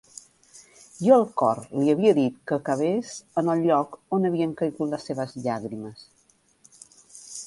I el cor li havia dit que cavés en el lloc on havien caigut les seves llàgrimes.